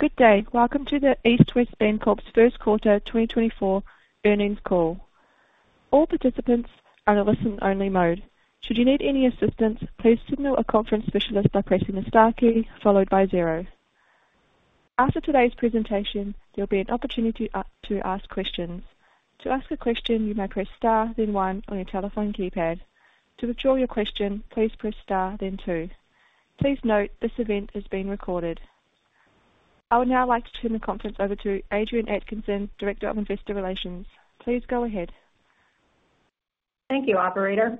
Good day. Welcome to the East West Bancorp's first quarter 2024 earnings call. All participants are in a listen-only mode. Should you need any assistance, please signal a conference specialist by pressing the star key followed by zero. After today's presentation, there'll be an opportunity to ask questions. To ask a question, you may press star, then one on your telephone keypad. To withdraw your question, please press star, then two. Please note this event is being recorded. I would now like to turn the conference over to Adrienne Atkinson, Director of Investor Relations. Please go ahead. Thank you, Operator.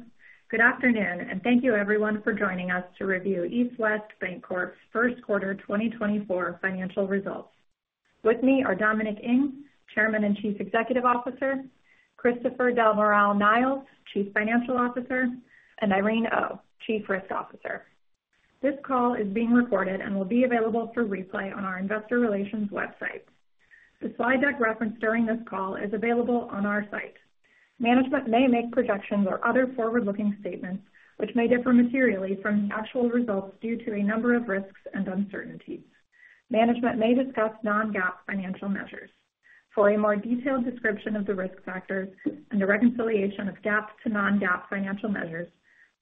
Good afternoon, and thank you, everyone, for joining us to review East West Bancorp's first quarter 2024 financial results. With me are Dominic Ng, Chairman and Chief Executive Officer, Christopher Del Moral-Niles, Chief Financial Officer, and Irene Oh, Chief Risk Officer. This call is being recorded and will be available for replay on our Investor Relations website. The slide deck referenced during this call is available on our site. Management may make projections or other forward-looking statements which may differ materially from the actual results due to a number of risks and uncertainties. Management may discuss non-GAAP financial measures. For a more detailed description of the risk factors and the reconciliation of GAAP-to-non-GAAP financial measures,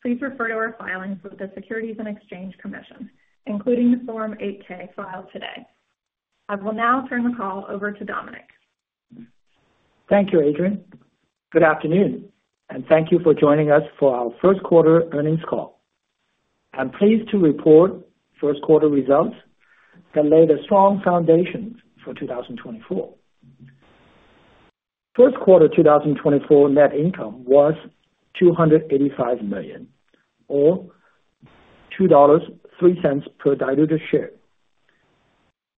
please refer to our filings with the Securities and Exchange Commission, including the Form 8-K filed today. I will now turn the call over to Dominic. Thank you, Adrienne. Good afternoon, and thank you for joining us for our first quarter earnings call. I'm pleased to report first quarter results that laid a strong foundation for 2024. First quarter 2024 net income was $285 million, or $2.03 per diluted share.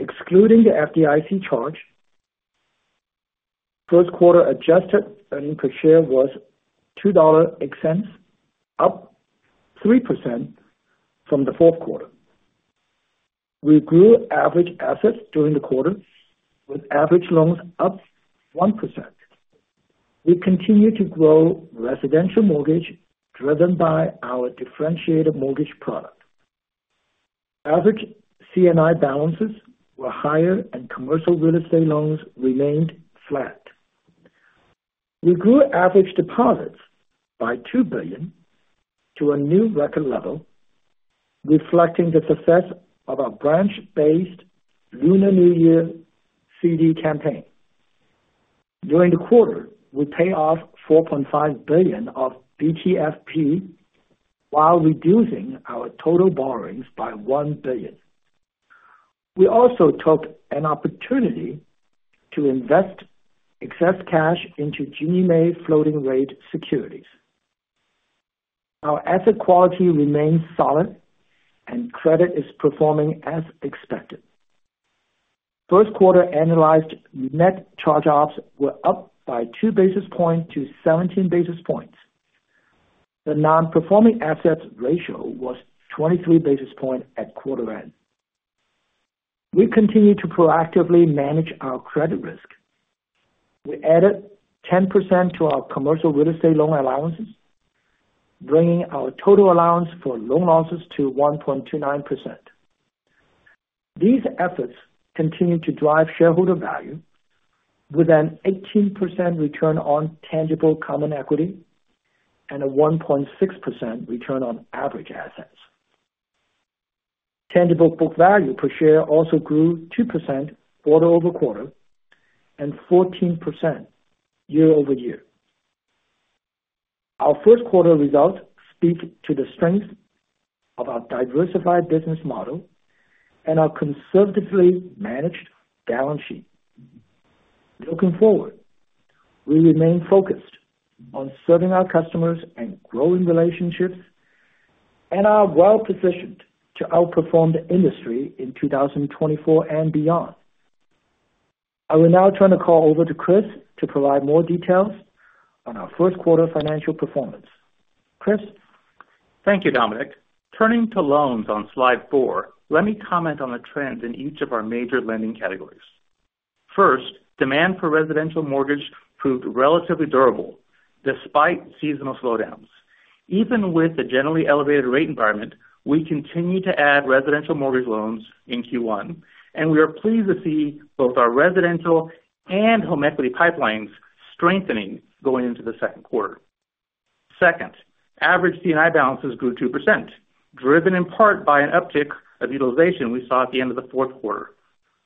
Excluding the FDIC charge, first quarter adjusted earnings per share was $2.08, up 3% from the fourth quarter. We grew average assets during the quarter, with average loans up 1%. We continue to grow residential mortgage driven by our differentiated mortgage product. Average C&I balances were higher and commercial real estate loans remained flat. We grew average deposits by $2 billion to a new record level, reflecting the success of our branch-based Lunar New Year CD campaign. During the quarter, we paid off $4.5 billion of BTFP while reducing our total borrowings by $1 billion. We also took an opportunity to invest excess cash into Ginnie Mae floating-rate securities. Our asset quality remains solid, and credit is performing as expected. First quarter annualized net charge-offs were up by two basis points to 17 basis points. The non-performing assets ratio was 23 basis points at quarter end. We continue to proactively manage our credit risk. We added 10% to our commercial real estate loan allowances, bringing our total allowance for loan losses to 1.29%. These efforts continue to drive shareholder value, with an 18% return on tangible common equity and a 1.6% return on average assets. Tangible book value per share also grew 2% quarter-over-quarter and 14% year-over-year. Our first quarter results speak to the strength of our diversified business model and our conservatively managed balance sheet. Looking forward, we remain focused on serving our customers and growing relationships, and are well-positioned to outperform the industry in 2024 and beyond. I will now turn the call over to Chris to provide more details on our first quarter financial performance. Chris. Thank you, Dominic. Turning to loans on slide four, let me comment on the trends in each of our major lending categories. First, demand for residential mortgage proved relatively durable despite seasonal slowdowns. Even with the generally elevated rate environment, we continue to add residential mortgage loans in Q1, and we are pleased to see both our residential and home equity pipelines strengthening going into the second quarter. Second, average C&I balances grew 2%, driven in part by an uptick of utilization we saw at the end of the fourth quarter.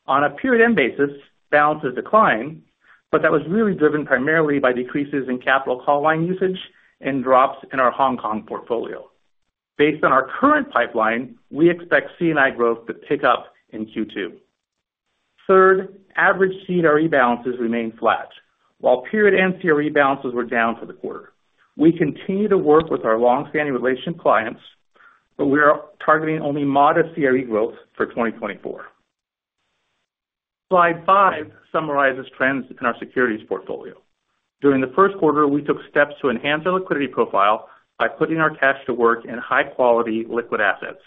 On a period-end basis, balances declined, but that was really driven primarily by decreases in capital call line usage and drops in our Hong Kong portfolio. Based on our current pipeline, we expect C&I growth to pick up in Q2. Third, average CRE balances remain flat, while period-end CRE balances were down for the quarter. We continue to work with our longstanding relationship clients, but we are targeting only modest CRE growth for 2024. Slide five summarizes trends in our securities portfolio. During the first quarter, we took steps to enhance our liquidity profile by putting our cash to work in high-quality liquid assets.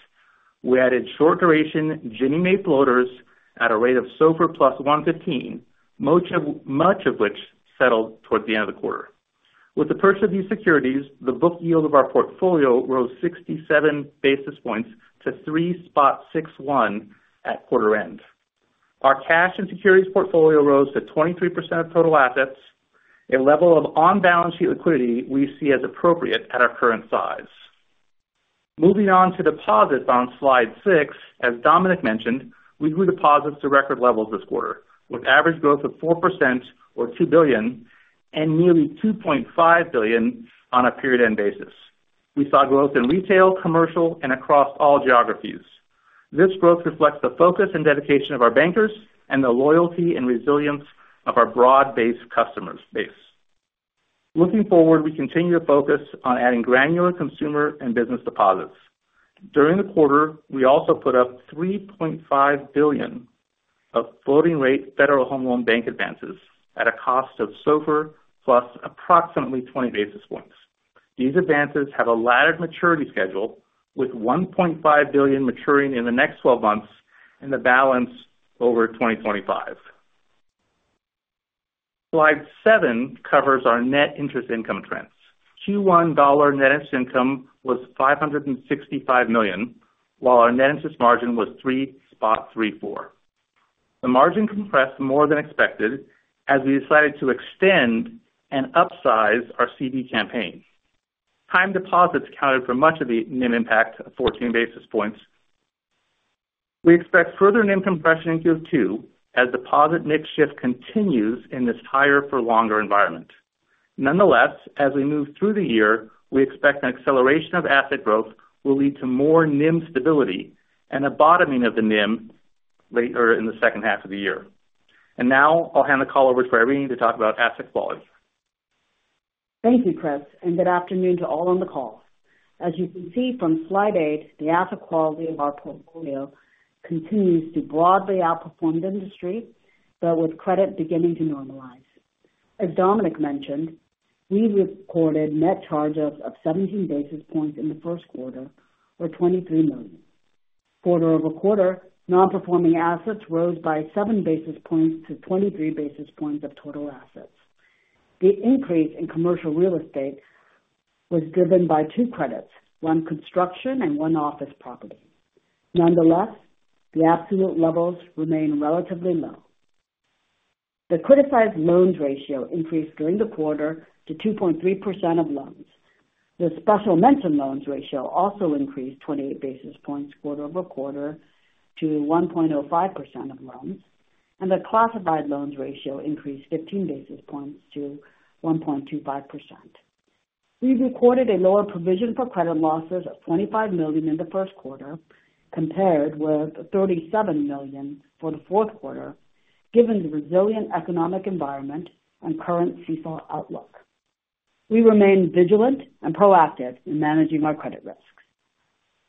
We added short-duration Ginnie Mae floaters at a rate of SOFR plus 115, much of which settled towards the end of the quarter. With the purchase of these securities, the book yield of our portfolio rose 67 basis points to 3.61 at quarter end. Our cash and securities portfolio rose to 23% of total assets, a level of on-balance sheet liquidity we see as appropriate at our current size. Moving on to deposits on slide six, as Dominic mentioned, we grew deposits to record levels this quarter, with average growth of 4%, or $2 billion, and nearly $2.5 billion on a period-end basis. We saw growth in retail, commercial, and across all geographies. This growth reflects the focus and dedication of our bankers and the loyalty and resilience of our broad-based customer base. Looking forward, we continue to focus on adding granular consumer and business deposits. During the quarter, we also put up $3.5 billion of floating-rate Federal Home Loan Bank advances at a cost of SOFR plus approximately 20 basis points. These advances have a laddered maturity schedule, with $1.5 billion maturing in the next 12 months and the balance over 2025. Slide seven covers our net interest income trends. Q1 net interest income was $565 million, while our net interest margin was 3.34%. The margin compressed more than expected as we decided to extend and upsize our CD campaign. Time deposits counted for much of the NIM impact of 14 basis points. We expect further NIM compression in Q2 as deposit mix shift continues in this higher-for-longer environment. Nonetheless, as we move through the year, we expect an acceleration of asset growth will lead to more NIM stability and a bottoming of the NIM later in the second half of the year. Now I'll hand the call over to Irene to talk about asset quality. Thank you, Chris, and good afternoon to all on the call. As you can see from slide eight, the asset quality of our portfolio continues to broadly outperform the industry, but with credit beginning to normalize. As Dominic mentioned, we recorded net charges of 17 basis points in the first quarter, or $23 million. quarter-over-quarter, non-performing assets rose by seven basis points to 23 basis points of total assets. The increase in commercial real estate was driven by two credits, one construction and one office property. Nonetheless, the absolute levels remain relatively low. The criticized loans ratio increased during the quarter to 2.3% of loans. The special mention loans ratio also increased 28 basis points quarter-over-quarter to 1.05% of loans, and the classified loans ratio increased 15 basis points to 1.25%. We recorded a lower provision for credit losses of $25 million in the first quarter compared with $37 million for the fourth quarter, given the resilient economic environment and current CFO outlook. We remain vigilant and proactive in managing our credit risks.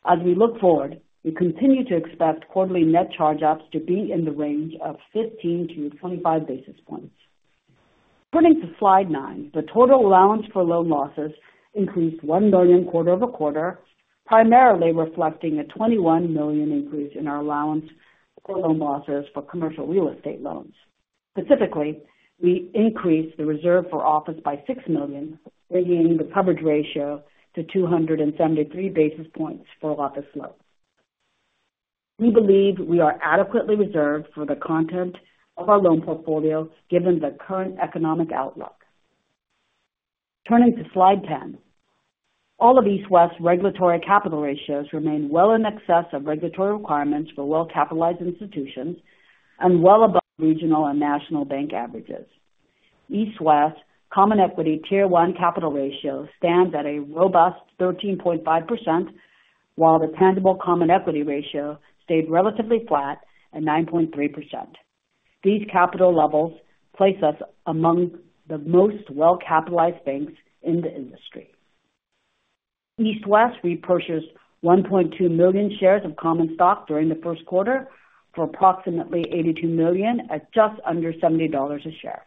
As we look forward, we continue to expect quarterly net charge-offs to be in the range of 15-25 basis points. Turning to slide nine, the total allowance for loan losses increased $1 million quarter-over-quarter, primarily reflecting a $21 million increase in our allowance for loan losses for commercial real estate loans. Specifically, we increased the reserve for office by $6 million, bringing the coverage ratio to 273 basis points for office loans. We believe we are adequately reserved for the content of our loan portfolio given the current economic outlook. Turning to slide 10, all of East West's regulatory capital ratios remain well in excess of regulatory requirements for well-capitalized institutions and well above regional and national bank averages. East West's common equity tier 1 capital ratio stands at a robust 13.5%, while the tangible common equity ratio stayed relatively flat at 9.3%. These capital levels place us among the most well-capitalized banks in the industry. East West repurchased 1.2 million shares of common stock during the first quarter for approximately $82 million at just under $70 a share.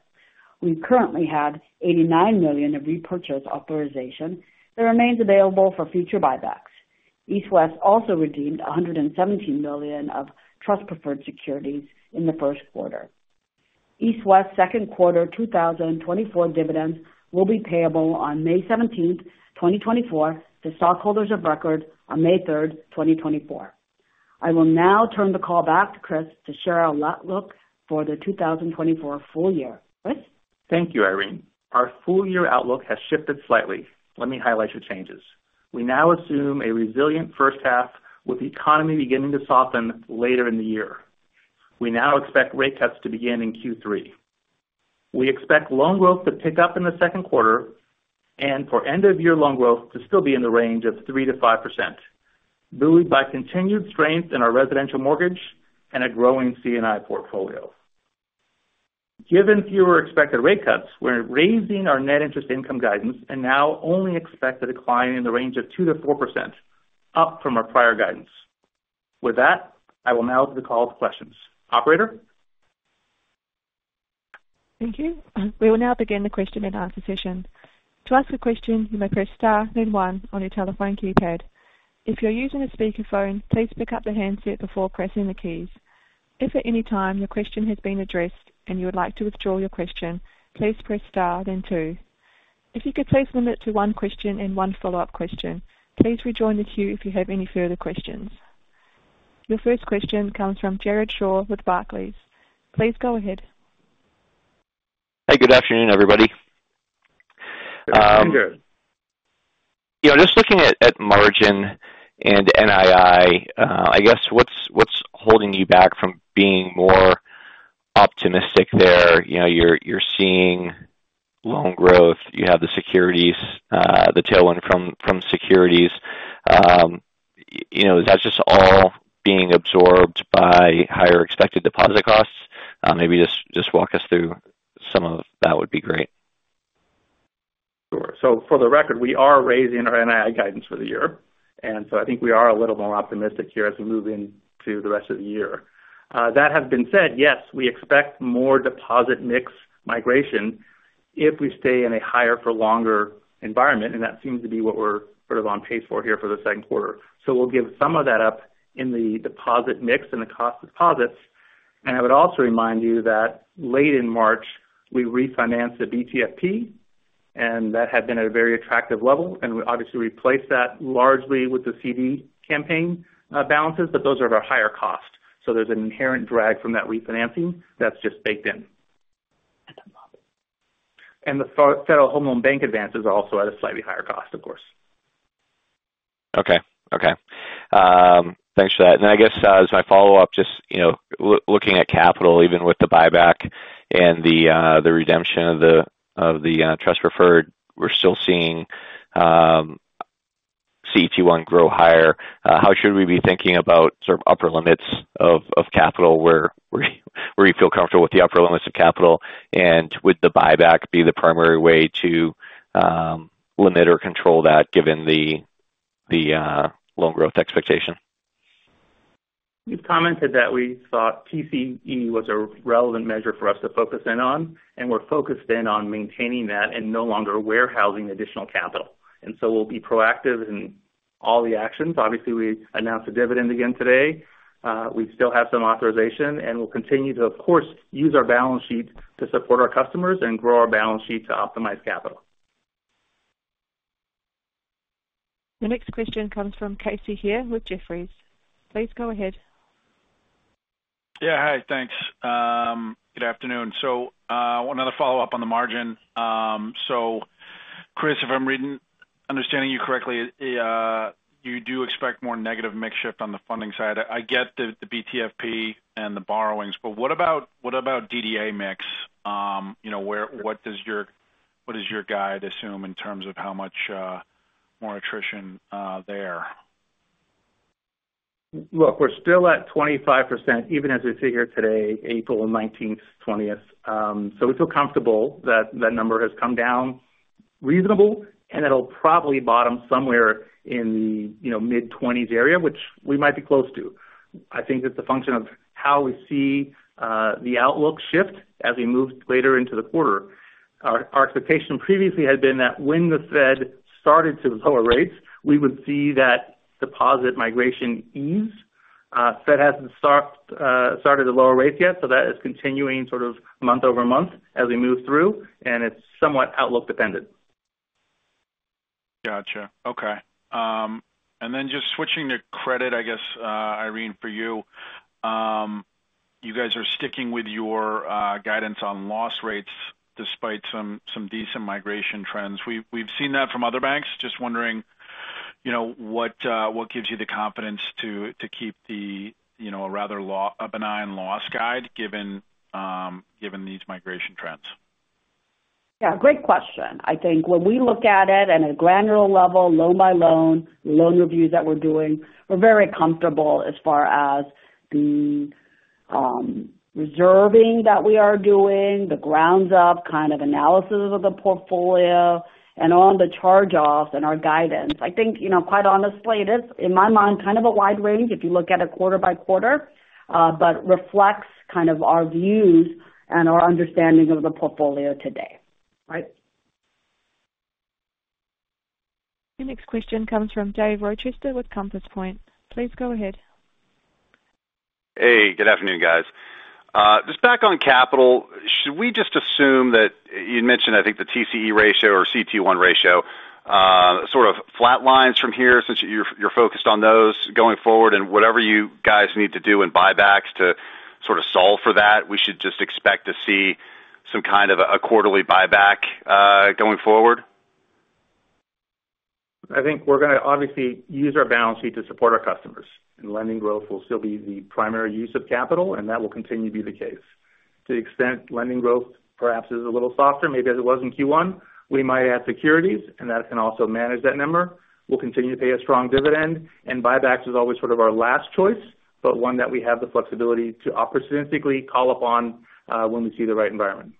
We currently had $89 million of repurchase authorization that remains available for future buybacks. East West also redeemed $117 million of trust-preferred securities in the first quarter. East West's second quarter 2024 dividends will be payable on May 17, 2024, to stockholders of record on May 3, 2024. I will now turn the call back to Chris to share our outlook for the 2024 full year. Chris. Thank you, Irene. Our full-year outlook has shifted slightly. Let me highlight your changes. We now assume a resilient first half with the economy beginning to soften later in the year. We now expect rate cuts to begin in Q3. We expect loan growth to pick up in the second quarter and for end-of-year loan growth to still be in the range of 3%-5%, buoyed by continued strength in our residential mortgage and a growing C&I portfolio. Given fewer expected rate cuts, we're raising our net interest income guidance and now only expect a decline in the range of 2%-4%, up from our prior guidance. With that, I will now open the call to questions. Operator. Thank you. We will now begin the question-and-answer session. To ask a question, you may press star, then one on your telephone keypad. If you're using a speakerphone, please pick up the handset before pressing the keys. If at any time your question has been addressed and you would like to withdraw your question, please press star, then two. If you could please limit to one question and one follow-up question, please rejoin the queue if you have any further questions. Your first question comes from Jared Shaw with Barclays. Please go ahead. Hey, good afternoon, everybody. Good afternoon, Jared. Just looking at margin and NII, I guess what's holding you back from being more optimistic there? You're seeing loan growth. You have the tailwind from securities. Is that just all being absorbed by higher expected deposit costs? Maybe just walk us through some of that would be great. Sure. So for the record, we are raising our NII guidance for the year, and so I think we are a little more optimistic here as we move into the rest of the year. That having been said, yes, we expect more deposit mix migration if we stay in a higher-for-longer environment, and that seems to be what we're sort of on pace for here for the second quarter. So we'll give some of that up in the deposit mix and the cost of deposits. And I would also remind you that late in March, we refinanced the BTFP, and that had been at a very attractive level. And we obviously replaced that largely with the CD campaign balances, but those are at a higher cost. So there's an inherent drag from that refinancing that's just baked in. The Federal Home Loan Bank advances are also at a slightly higher cost, of course. Okay. Okay. Thanks for that. I guess as my follow-up, just looking at capital, even with the buyback and the redemption of the trust preferred, we're still seeing CET1 grow higher. How should we be thinking about sort of upper limits of capital? Where do you feel comfortable with the upper limits of capital? And would the buyback be the primary way to limit or control that given the loan growth expectation? We've commented that we thought TCE was a relevant measure for us to focus in on, and we're focused in on maintaining that and no longer warehousing additional capital. So we'll be proactive in all the actions. Obviously, we announced a dividend again today. We still have some authorization, and we'll continue to, of course, use our balance sheet to support our customers and grow our balance sheet to optimize capital. The next question comes from Casey Haire with Jefferies. Please go ahead. Yeah. Hi. Thanks. Good afternoon. So another follow-up on the margin. So Chris, if I'm understanding you correctly, you do expect more negative mix shift on the funding side. I get the BTFP and the borrowings, but what about DDA mix? What does your guide assume in terms of how much more attrition there? Look, we're still at 25% even as we sit here today, April 19th, 20th. So we feel comfortable that that number has come down reasonable, and it'll probably bottom somewhere in the mid-20s area, which we might be close to. I think it's a function of how we see the outlook shift as we move later into the quarter. Our expectation previously had been that when the Fed started to lower rates, we would see that deposit migration ease. The Fed hasn't started to lower rates yet, so that is continuing sort of month-over-month as we move through, and it's somewhat outlook-dependent. Gotcha. Okay. And then just switching to credit, I guess, Irene, for you, you guys are sticking with your guidance on loss rates despite some decent migration trends. We've seen that from other banks. Just wondering what gives you the confidence to keep a rather benign loss guide given these migration trends? Yeah. Great question. I think when we look at it at a granular level, loan by loan, loan reviews that we're doing, we're very comfortable as far as the reserving that we are doing, the grounds-up kind of analysis of the portfolio, and all the charge-offs and our guidance. I think, quite honestly, it is, in my mind, kind of a wide range if you look at it quarter by quarter, but reflects kind of our views and our understanding of the portfolio today. Right. The next question comes from Dave Rochester with Compass Point. Please go ahead. Hey. Good afternoon, guys. Just back on capital, should we just assume that you'd mentioned, I think, the TCE ratio or CET1 ratio sort of flatlines from here since you're focused on those going forward? And whatever you guys need to do in buybacks to sort of solve for that, we should just expect to see some kind of a quarterly buyback going forward? I think we're going to obviously use our balance sheet to support our customers, and lending growth will still be the primary use of capital, and that will continue to be the case. To the extent lending growth perhaps is a little softer, maybe as it was in Q1, we might add securities, and that can also manage that number. We'll continue to pay a strong dividend, and buybacks is always sort of our last choice, but one that we have the flexibility to opportunistically call upon when we see the right environment.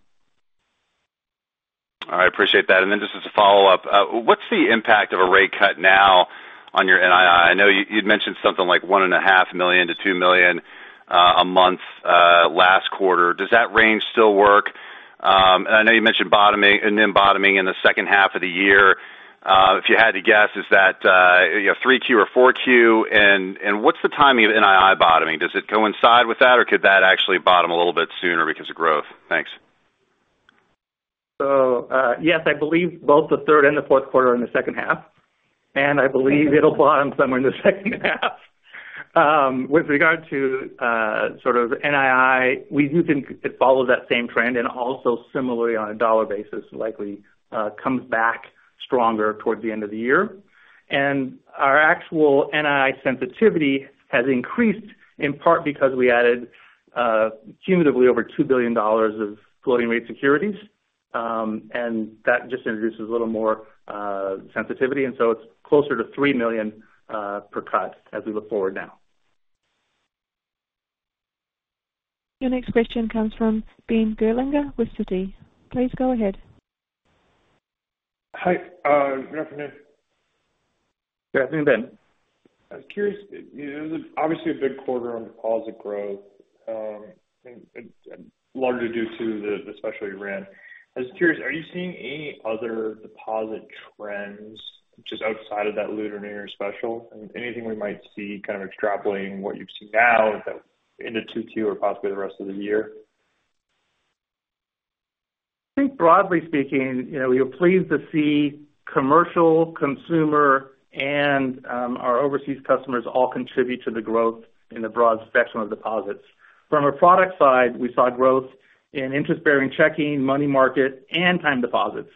All right. Appreciate that. And then just as a follow-up, what's the impact of a rate cut now on your NII? I know you'd mentioned something like $1.5 million-$2 million a month last quarter. Does that range still work? And I know you mentioned NIM bottoming in the second half of the year. If you had to guess, is that 3Q or 4Q? And what's the timing of NII bottoming? Does it coincide with that, or could that actually bottom a little bit sooner because of growth? Thanks. So yes, I believe both the third and the fourth quarter are in the second half, and I believe it'll bottom somewhere in the second half. With regard to sort of NII, we do think it follows that same trend and also similarly on a dollar basis, likely comes back stronger towards the end of the year. And our actual NII sensitivity has increased in part because we added cumulatively over $2 billion of floating-rate securities, and that just introduces a little more sensitivity. And so it's closer to $3 million per cut as we look forward now. The next question comes from Ben Gerlinger with Citi. Please go ahead. Hi. Good afternoon. Good afternoon, Ben. I was curious. It was obviously a big quarter on deposit growth, largely due to the special you ran. I was curious, are you seeing any other deposit trends just outside of that Lunar New Year special? Anything we might see kind of extrapolating what you've seen now into 2Q or possibly the rest of the year? I think broadly speaking, we were pleased to see commercial, consumer, and our overseas customers all contribute to the growth in the broad spectrum of deposits. From a product side, we saw growth in interest-bearing checking, money market, and time deposits.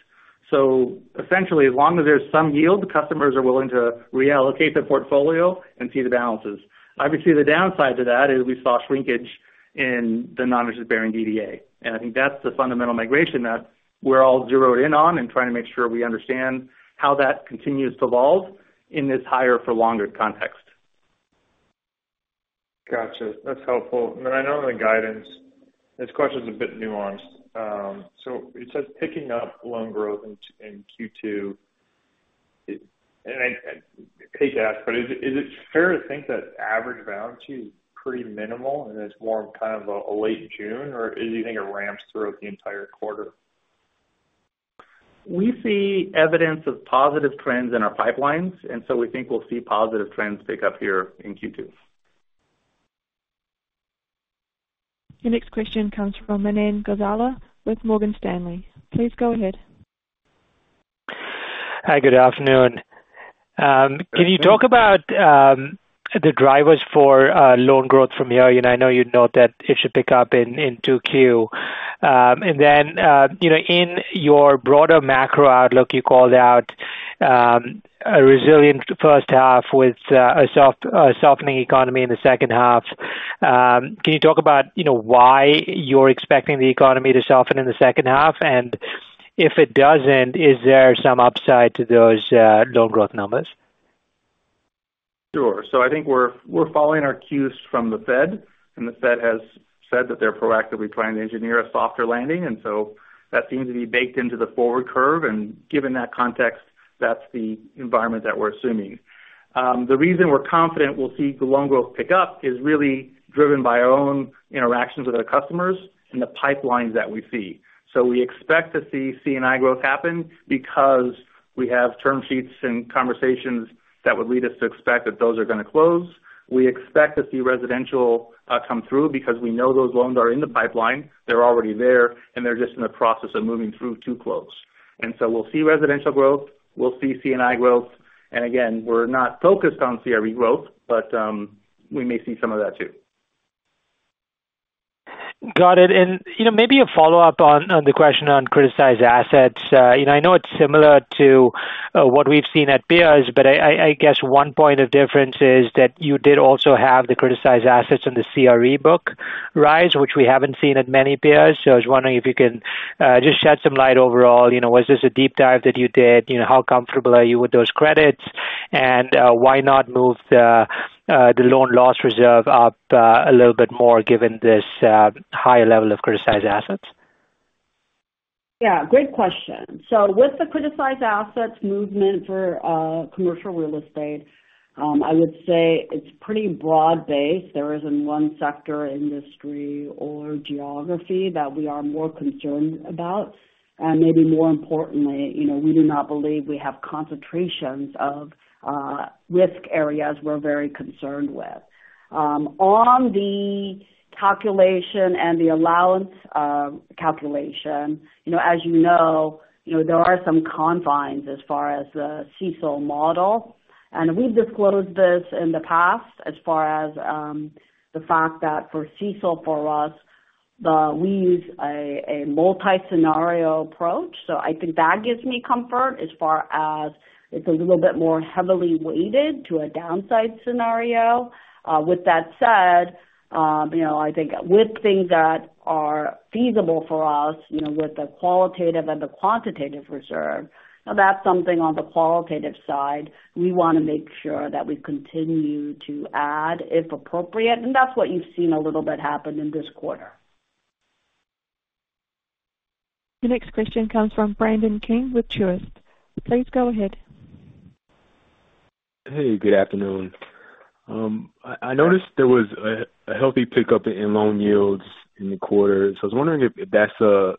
So essentially, as long as there's some yield, customers are willing to reallocate their portfolio and see the balances. Obviously, the downside to that is we saw shrinkage in the non-interest-bearing DDA, and I think that's the fundamental migration that we're all zeroed in on and trying to make sure we understand how that continues to evolve in this higher-for-longer context. Gotcha. That's helpful. And then I know on the guidance, this question's a bit nuanced. So it says picking up loan growth in Q2. And I hate to ask, but is it fair to think that average balance sheet is pretty minimal and it's more kind of a late June, or do you think it ramps throughout the entire quarter? We see evidence of positive trends in our pipelines, and so we think we'll see positive trends pick up here in Q2. The next question comes from Manan Gosalia with Morgan Stanley. Please go ahead. Hi. Good afternoon. Can you talk about the drivers for loan growth from here? I know you'd note that it should pick up in 2Q. And then in your broader macro outlook, you called out a resilient first half with a softening economy in the second half. Can you talk about why you're expecting the economy to soften in the second half? And if it doesn't, is there some upside to those loan growth numbers? Sure. So I think we're following our cues from the Fed, and the Fed has said that they're proactively trying to engineer a softer landing, and so that seems to be baked into the forward curve. And given that context, that's the environment that we're assuming. The reason we're confident we'll see loan growth pick up is really driven by our own interactions with our customers and the pipelines that we see. So we expect to see C&I growth happen because we have term sheets and conversations that would lead us to expect that those are going to close. We expect to see residential come through because we know those loans are in the pipeline. They're already there, and they're just in the process of moving through to close. And so we'll see residential growth. We'll see C&I growth. And again, we're not focused on CRE growth, but we may see some of that too. Got it. And maybe a follow-up on the question on criticized assets. I know it's similar to what we've seen at peers, but I guess one point of difference is that you did also have the criticized assets and the CRE book rise, which we haven't seen at many peers. So I was wondering if you can just shed some light overall. Was this a deep dive that you did? How comfortable are you with those credits? And why not move the loan loss reserve up a little bit more given this higher level of criticized assets? Yeah. Great question. So with the criticized assets movement for commercial real estate, I would say it's pretty broad-based. There isn't one sector, industry, or geography that we are more concerned about. And maybe more importantly, we do not believe we have concentrations of risk areas we're very concerned with. On the calculation and the allowance calculation, as you know, there are some confines as far as the CECL model. And we've disclosed this in the past as far as the fact that for CECL for us, we use a multi-scenario approach. So I think that gives me comfort as far as it's a little bit more heavily weighted to a downside scenario. With that said, I think with things that are feasible for us with the qualitative and the quantitative reserve, now that's something on the qualitative side. We want to make sure that we continue to add if appropriate, and that's what you've seen a little bit happen in this quarter. The next question comes from Brandon King with Truist. Please go ahead. Hey. Good afternoon. I noticed there was a healthy pickup in loan yields in the quarter, so I was wondering if that's a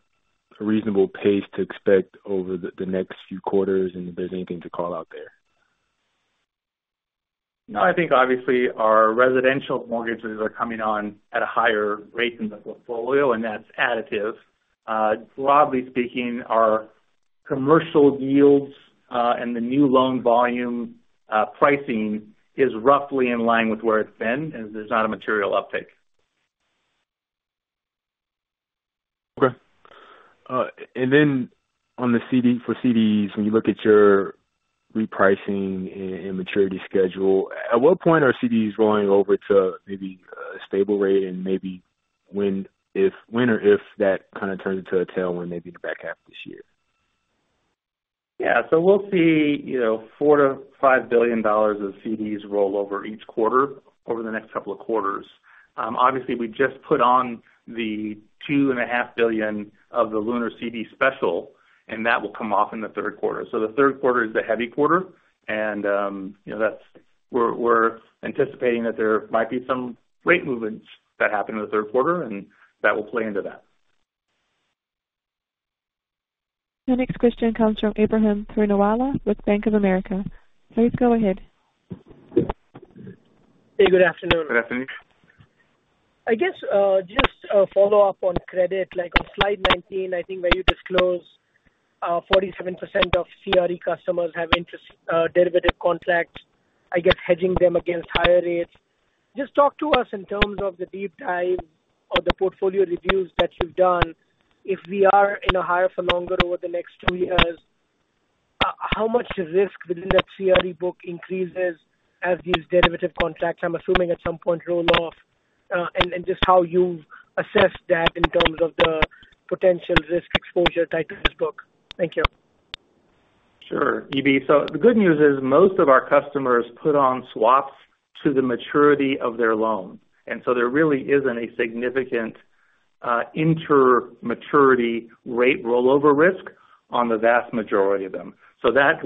reasonable pace to expect over the next few quarters and if there's anything to call out there? No. I think obviously our residential mortgages are coming on at a higher rate than the portfolio, and that's additive. Broadly speaking, our commercial yields and the new loan volume pricing is roughly in line with where it's been, and there's not a material uptake. Okay. And then for CDs, when you look at your repricing and maturity schedule, at what point are CDs rolling over to maybe a stable rate, and if when or if that kind of turns into a tailwind maybe in the back half of this year? Yeah. So we'll see $4 billion-$5 billion of CDs roll over each quarter over the next couple of quarters. Obviously, we just put on the $2.5 billion of the Lunar CD special, and that will come off in the third quarter. So the third quarter is the heavy quarter, and we're anticipating that there might be some rate movements that happen in the third quarter, and that will play into that. The next question comes from Ebrahim Poonawala with Bank of America. Please go ahead. Hey. Good afternoon. Good afternoon. I guess just a follow-up on credit. On slide 19, I think where you disclose 47% of CRE customers have derivative contracts, I guess hedging them against higher rates. Just talk to us in terms of the deep dive or the portfolio reviews that you've done. If we are in a higher-for-longer over the next two years, how much risk within that CRE book increases as these derivative contracts, I'm assuming at some point, roll off? And just how you've assessed that in terms of the potential risk exposure tied to this book. Thank you. Sure, EB. So the good news is most of our customers put on swaps to the maturity of their loan, and so there really isn't a significant inter-maturity rate rollover risk on the vast majority of them. So that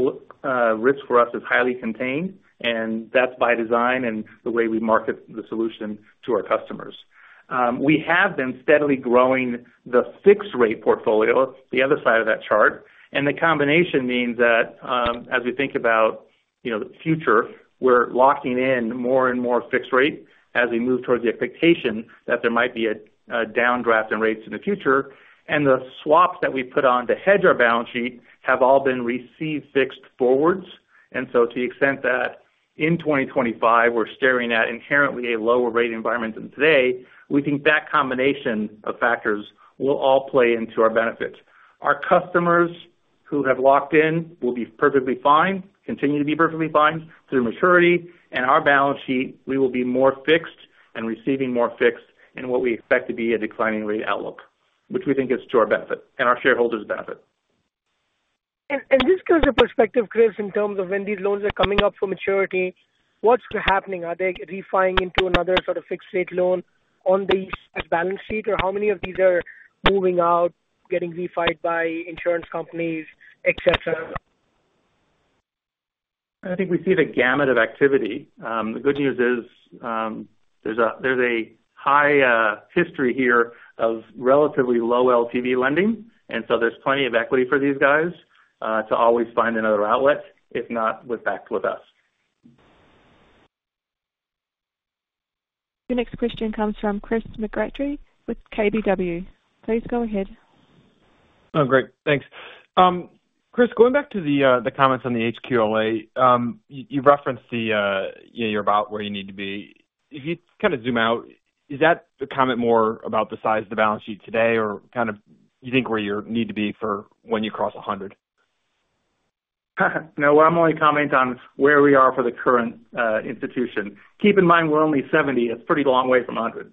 risk for us is highly contained, and that's by design and the way we market the solution to our customers. We have been steadily growing the fixed-rate portfolio, the other side of that chart, and the combination means that as we think about the future, we're locking in more and more fixed-rate as we move towards the expectation that there might be a downdraft in rates in the future. And the swaps that we put on to hedge our balance sheet have all been received fixed forwards. And so to the extent that in 2025, we're staring at inherently a lower-rate environment than today, we think that combination of factors will all play into our benefit. Our customers who have locked in will be perfectly fine, continue to be perfectly fine through maturity. And our balance sheet, we will be more fixed and receiving more fixed in what we expect to be a declining-rate outlook, which we think is to our benefit and our shareholders' benefit. Just because of perspective, Chris, in terms of when these loans are coming up for maturity, what's happening? Are they refinancing into another sort of fixed-rate loan on the balance sheet, or how many of these are moving out, getting refinanced by insurance companies, etc.? I think we see the gamut of activity. The good news is there's a high history here of relatively low LTV lending, and so there's plenty of equity for these guys to always find another outlet, if not with us. The next question comes from Chris McGratty with KBW. Please go ahead. Oh, great. Thanks. Chris, going back to the comments on the HQLA, you referenced you're about where you need to be. If you kind of zoom out, is that the comment more about the size of the balance sheet today, or kind of do you think where you need to be for when you cross 100? No. I'm only commenting on where we are for the current institution. Keep in mind we're only 70. It's a pretty long way from 100.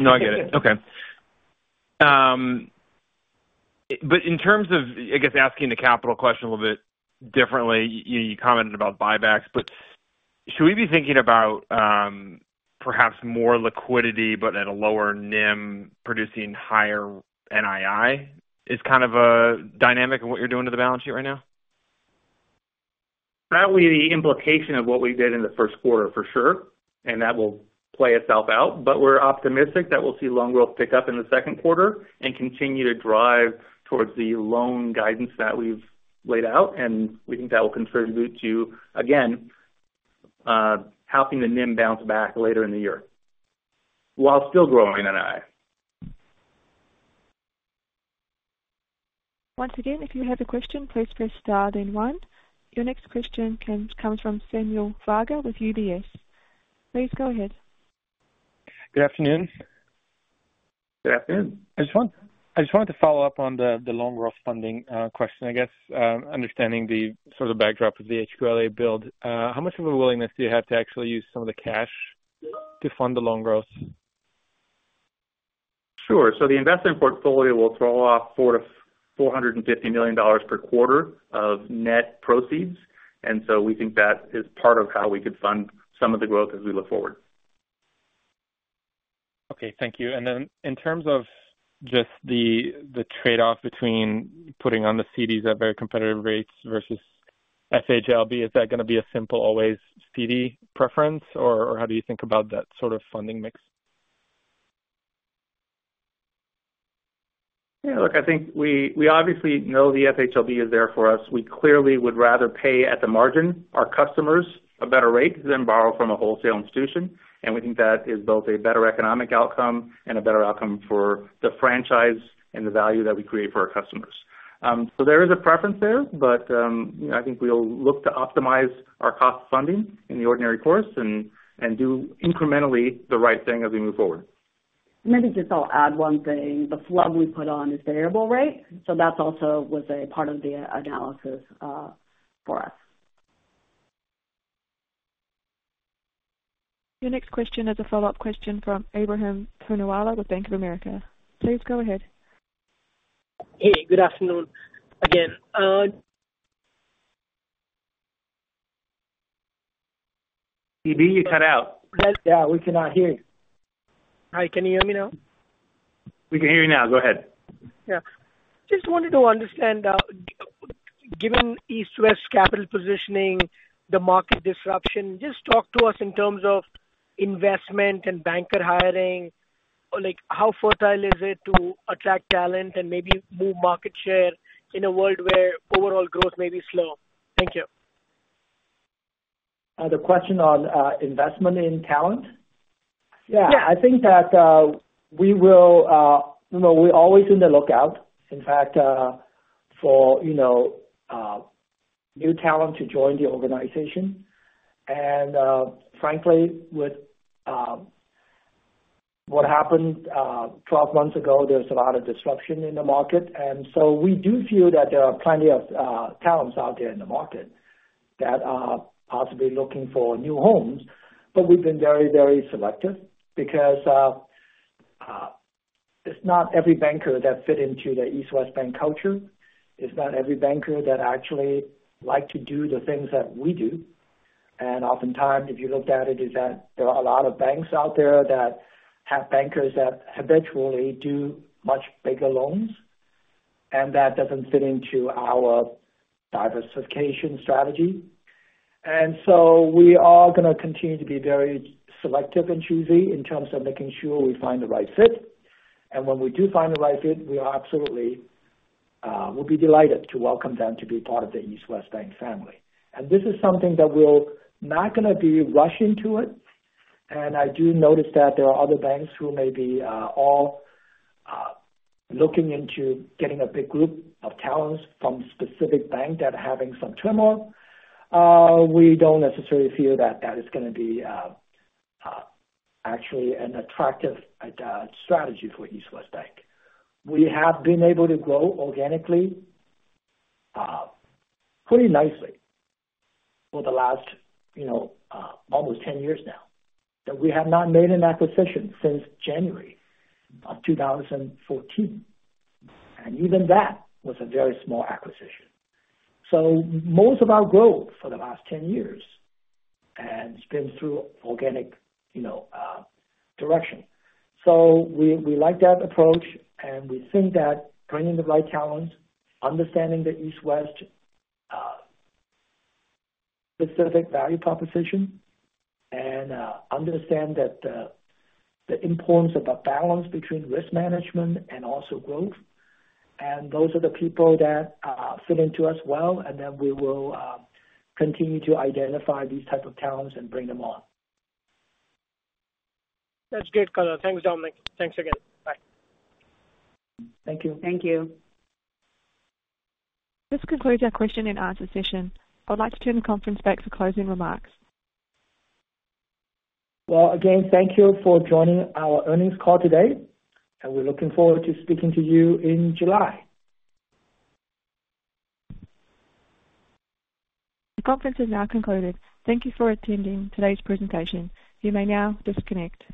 No, I get it. Okay. But in terms of, I guess, asking the capital question a little bit differently, you commented about buybacks, but should we be thinking about perhaps more liquidity but at a lower NIM producing higher NII? Is kind of a dynamic in what you're doing to the balance sheet right now? That will be the implication of what we did in the first quarter, for sure, and that will play itself out. But we're optimistic that we'll see loan growth pick up in the second quarter and continue to drive towards the loan guidance that we've laid out, and we think that will contribute to, again, helping the NIM bounce back later in the year while still growing NII. Once again, if you have a question, please press star then one. Your next question comes from Samuel Varga with UBS. Please go ahead. Good afternoon. Good afternoon. I just wanted to follow up on the loan growth funding question, I guess, understanding the sort of backdrop of the HQLA build. How much of a willingness do you have to actually use some of the cash to fund the loan growth? Sure. So the investment portfolio will throw off $450 million per quarter of net proceeds, and so we think that is part of how we could fund some of the growth as we look forward. Okay. Thank you. Then in terms of just the trade-off between putting on the CDs at very competitive rates versus FHLB, is that going to be a simple always CD preference, or how do you think about that sort of funding mix? Yeah. Look, I think we obviously know the FHLB is there for us. We clearly would rather pay at the margin, our customers, a better rate than borrow from a wholesale institution, and we think that is both a better economic outcome and a better outcome for the franchise and the value that we create for our customers. So there is a preference there, but I think we'll look to optimize our cost funding in the ordinary course and do incrementally the right thing as we move forward. Maybe just I'll add one thing. The funds we put on is variable rate, so that also was a part of the analysis for us. Your next question is a follow-up question from Abraham Thrinoala with Bank of America. Please go ahead. Hey. Good afternoon again. EB, you cut out. Yeah. We cannot hear you. Hi. Can you hear me now? We can hear you now. Go ahead. Yeah. Just wanted to understand, given East West capital positioning, the market disruption, just talk to us in terms of investment and banker hiring. How fertile is it to attract talent and maybe move market share in a world where overall growth may be slow? Thank you. The question on investment in talent? Yeah. Yeah. I think that we're always on the lookout, in fact, for new talent to join the organization. And frankly, with what happened 12 months ago, there was a lot of disruption in the market. And so we do feel that there are plenty of talents out there in the market that are possibly looking for new homes, but we've been very, very selective because it's not every banker that fit into the East West Bank culture. It's not every banker that actually liked to do the things that we do. And oftentimes, if you look at it, is that there are a lot of banks out there that have bankers that habitually do much bigger loans, and that doesn't fit into our diversification strategy. And so we are going to continue to be very selective and choosy in terms of making sure we find the right fit. When we do find the right fit, we'll be delighted to welcome them to be part of the East West Bank family. This is something that we're not going to be rushing to it. I do notice that there are other banks who may be all looking into getting a big group of talents from specific banks that are having some turmoil. We don't necessarily feel that that is going to be actually an attractive strategy for East West Bank. We have been able to grow organically pretty nicely for the last almost 10 years now. We have not made an acquisition since January of 2014, and even that was a very small acquisition. Most of our growth for the last 10 years has been through organic direction. We like that approach, and we think that bringing the right talents, understanding the East West specific value proposition, and understanding the importance of a balance between risk management and also growth, and those are the people that fit into us well, and then we will continue to identify these types of talents and bring them on. That's great, color. Thanks, Dominic. Thanks again. Bye. Thank you. Thank you. This concludes our question and answers session. I would like to turn the conference back to closing remarks. Well, again, thank you for joining our earnings call today, and we're looking forward to speaking to you in July. The conference is now concluded. Thank you for attending today's presentation. You may now disconnect.